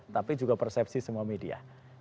tapi juga persepsi semua media